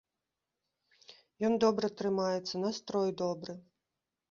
Ён добра трымаецца, настрой добры.